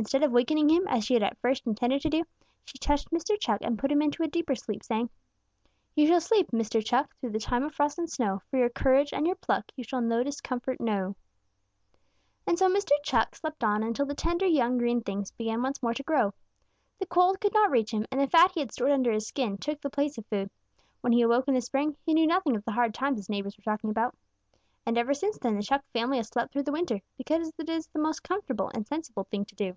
Instead of wakening him, as she had at first intended to do, she touched Mr. Chuck and put him into a deeper sleep, saying: "'You shall sleep, Mr. Chuck, Through the time of frost and snow. For your courage and your pluck You shall no discomfort know.' "And so Mr. Chuck slept on until the tender young green things began once more to grow. The cold could not reach him, and the fat he had stored under his skin took the place of food. When he awoke in the spring, he knew nothing of the hard times his neighbors were talking about. And ever since then the Chuck family has slept through the winter, because it is the most comfortable and sensible thing to do.